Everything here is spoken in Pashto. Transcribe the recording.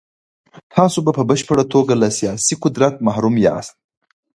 تاسو په بشپړه توګه له سیاسي قدرت محروم یاست.